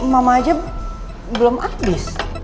mama aja belum abis